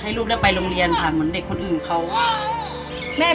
ลูกได้ไปโรงเรียนค่ะเหมือนเด็กคนอื่นเขา